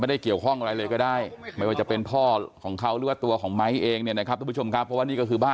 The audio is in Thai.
ไม่ได้เกี่ยวข้องอะไรเลยก็ได้ไม่ว่าจะเป็นพ่อของเขา